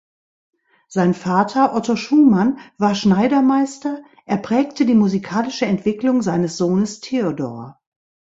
Sein Vater Otto Schumann war Schneidermeister, er prägte die musikalische Entwicklung seines Sohnes Theodor.